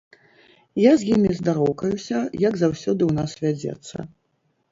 Я з імі здароўкаюся, як заўсёды ў нас вядзецца.